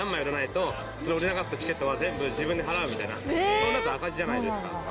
それだと赤字じゃないですか。